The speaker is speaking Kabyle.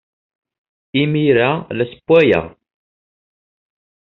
Imir-a, la ssewwayeɣ.